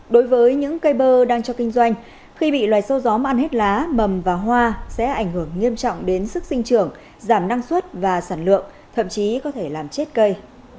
đối với những cây bơ đang cho kinh doanh khi bị loài sâu gió mang ăn hết lá mầm và hoa sẽ ảnh hưởng nghiêm trọng đến sức sinh trưởng giảm năng suất và sản lượng thậm chí có thể làm chết cây